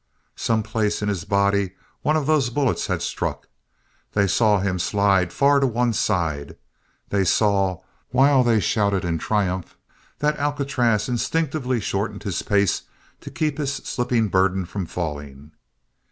Some place in his body one of those bullets had struck. They saw him slide far to one side. They saw, while they shouted in triumph, that Alcatraz instinctively shortened his pace to keep his slipping burden from falling.